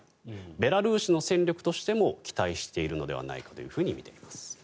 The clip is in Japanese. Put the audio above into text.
ベラルーシの戦力としても期待しているのではないかとみています。